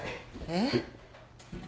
えっ？